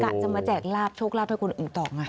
กะจะมาแจกลาบโชคลาบให้คนอุตอบไง